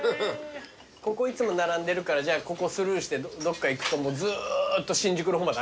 ここいつも並んでるからじゃあここスルーしてどっか行くともう。